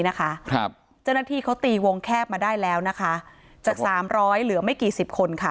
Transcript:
เจ้าหน้าที่เขาตีวงแคบมาได้แล้วจาก๓๐๐เหลือไม่กี่สิบคน